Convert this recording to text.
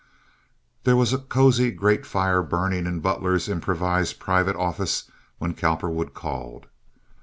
There was a cozy grate fire burning in Butler's improvised private office when Cowperwood called.